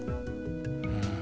うん。